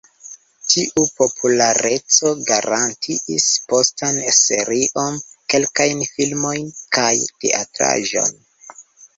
Tiu populareco garantiis postan serion, kelkajn filmojn, kaj teatraĵon.